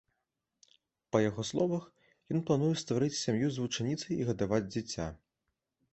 Па яго словах, ён плануе стварыць сям'ю з вучаніцай і гадаваць дзіця.